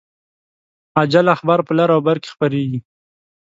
عاجل اخبار په لر او بر کې خپریږي